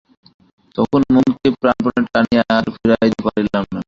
তখন মনকে প্রাণপণে টানিয়া আর ফিরাইতে পারিলাম না।